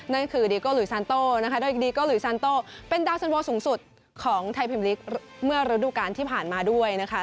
นั่นคือดีโกหลุยซานโต้นะคะโดยอิดีโกหลุยซานโตเป็นดาวสันโวสูงสุดของไทยพิมลิกเมื่อฤดูการที่ผ่านมาด้วยนะคะ